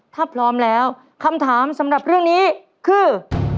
ถ้าพร้อมแล้วคำถามสำหรับเรื่องนี้คือ